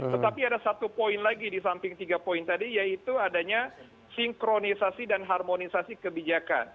tetapi ada satu poin lagi di samping tiga poin tadi yaitu adanya sinkronisasi dan harmonisasi kebijakan